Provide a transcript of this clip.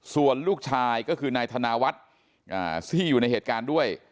ส่วนลูกชายก็คือนายธนาวัฒน์ที่อยู่ในเหตุการณ์ด้วย